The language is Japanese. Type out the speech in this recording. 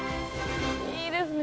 いいですね。